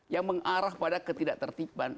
yang mengarah pada ketidak tertiban